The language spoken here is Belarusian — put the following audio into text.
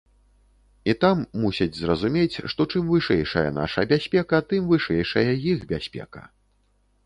І там мусяць зразумець, што чым вышэйшая наша бяспека, тым вышэйшая іх бяспека.